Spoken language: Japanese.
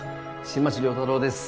新町亮太郎です